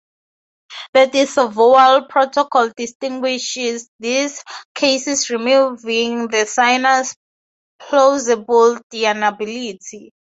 The disavowal protocol distinguishes these cases removing the signer's plausible deniability.